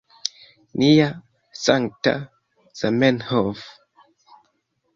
Nia sankta Zamenhof